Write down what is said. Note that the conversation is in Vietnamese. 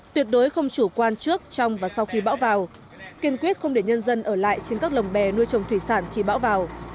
tuyệt đối không chủ quan trước trong và sau khi bão vào kiên quyết không để nhân dân ở lại trên các lồng bè nuôi trồng thủy sản khi bão vào